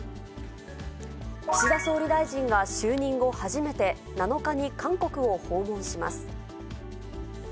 岸田総理大臣が就任後初めて、７日に韓国を訪問します。